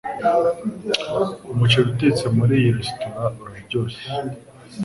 Umuceri utetse muri iyi resitora uraryoshye.